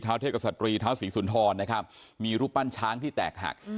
เทพศตรีเท้าศรีสุนทรนะครับมีรูปปั้นช้างที่แตกหัก